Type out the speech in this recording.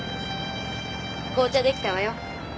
紅茶出来たわよ。